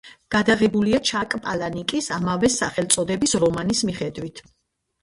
გადაღებულია ჩაკ პალანიკის ამავე სახელწოდების რომანის მიხედვით.